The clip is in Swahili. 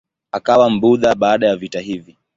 Akawa Mbudha baada ya vita hivi.